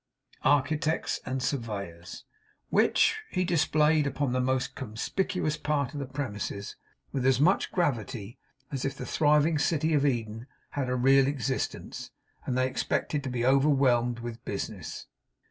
ARCHITECTS AND SURVEYORS, which he displayed upon the most conspicuous part of the premises, with as much gravity as if the thriving city of Eden had a real existence, and they expected to be overwhelmed with business.